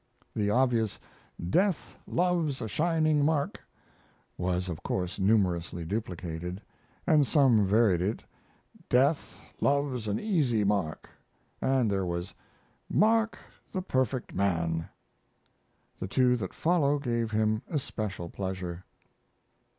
The obvious "Death loves a shining Mark" was of course numerously duplicated, and some varied it "Death loves an Easy Mark," and there was "Mark, the perfect man." The two that follow gave him especial pleasure.